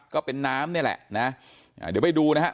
ก็เป็นน้ำนี่แหละนะเดี๋ยวไปดูนะฮะ